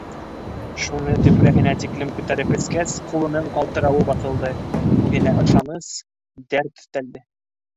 Шуны төпрәһенә тиклем күтәреп эскәс, ҡулының ҡалтырауы баҫылды, үҙенә ышаныс, дәрт өҫтәлде.